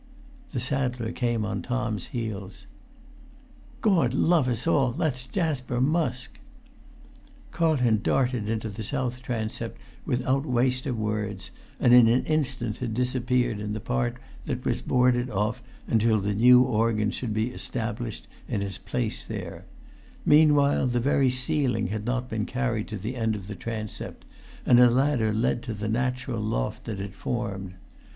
The saddler came on Tom's heels. "Gord love us all, that's Jasper Musk!" Carlton darted into the south transept without waste of words, and in an instant had disappeared in the part that was boarded off until the new organ should be established in its place there; meanwhile the very ceiling had not been carried to the end of the transept, and a ladder led to the natural loft that it formed.